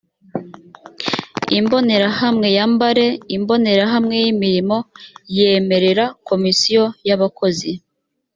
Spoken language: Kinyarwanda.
imbonerahamwe ya mbare imbonerahamwe y’imirimo yemerera komisiyo y’abakozi